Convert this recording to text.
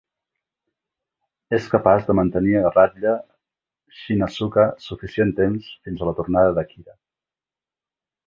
És capaç de mantenir a ratlla Shinn Asuka suficient temps fins a la tornada de Kira.